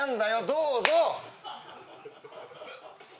どうぞ。